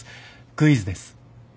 クイズです。